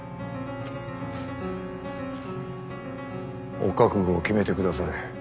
お覚悟を決めてくだされ。